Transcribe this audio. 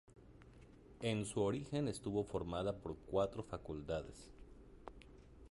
En su origen, estuvo formada por cuatro facultades.